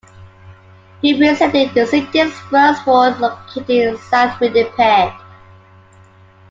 He represented the city's first ward, located in south Winnipeg.